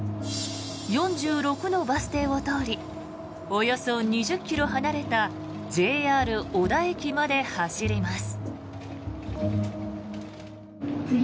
４６のバス停を通りおよそ２０ｋｍ離れたＪＲ小田駅まで走ります。